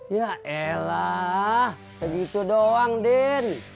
yaelah segitu doang din